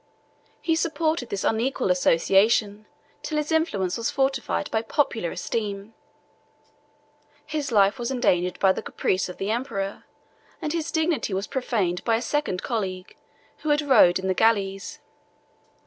He supported this unequal association till his influence was fortified by popular esteem. His life was endangered by the caprice of the emperor; and his dignity was profaned by a second colleague, who had rowed in the galleys.